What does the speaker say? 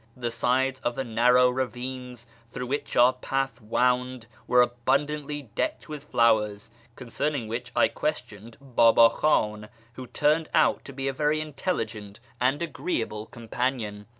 The sides of the narrow ravines through which our path wound were abund antly decked with flowers, concerning which I questioned Baba Khan, who turned out to be a very intelligent and agreeable companion.